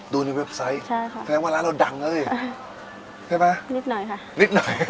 คือในพร